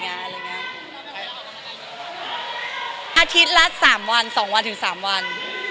อาทิตย์ละสามวันสองวันถึงสามวัน